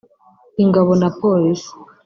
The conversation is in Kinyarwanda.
ingabo na Polisi